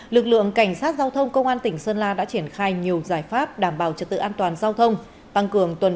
lực lượng cảnh sát giao thông công an tỉnh sơn la đã triển khai nhiều giải pháp đảm bảo trật tự an toàn giao thông